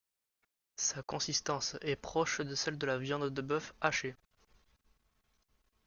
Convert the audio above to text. Sa consistance est proche de celle de la viande de bœuf hachée.